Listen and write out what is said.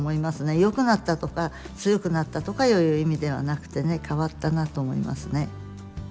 よくなったとか強くなったとかいう意味ではなくてね変わったなと思いますね。